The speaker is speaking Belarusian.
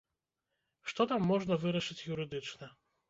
Што там можна вырашыць юрыдычна?